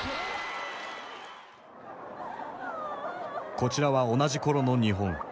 こちらは同じ頃の日本。